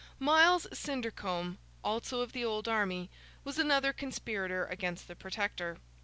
Miles Syndarcomb, also of the old army, was another conspirator against the Protector.